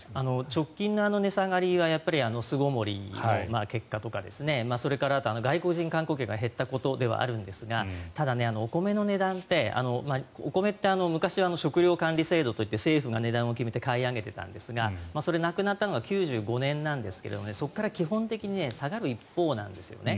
直近の値下がりは巣ごもりの結果とかそれから外国人観光客が減ったことではあるんですがただ、お米の値段ってお米って昔は食糧管理制度といって政府が値段を決めて買い上げていたんですがそれがなくなったのが９５年なんですがそれから下がる一方なんですね。